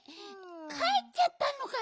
かえっちゃったのかな？